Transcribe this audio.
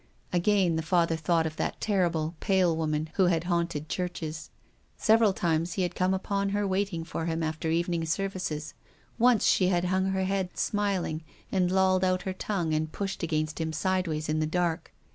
Again the Father thought of that terrible, pale woman who had haunted churches. Several times he had come upon her waiting for him after evening services. Once she had hung her head smiling, had lolled out her tongue and pushed against him sideways in the dark.